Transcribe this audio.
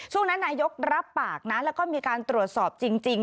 ช่วงนั้นนายกรับปากนะแล้วก็มีการตรวจสอบจริง